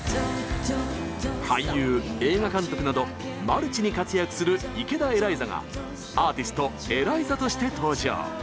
俳優映画監督などマルチに活躍する池田エライザがアーティストＥＬＡＩＺＡとして登場！